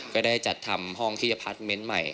ก็ได้จัดทำห้องที่จะพาร์ทเมนต์ใหม่